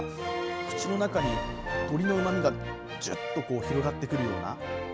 口の中に鶏の旨みがジュッと広がってくるような。